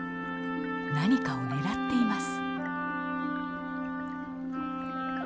何かを狙っています。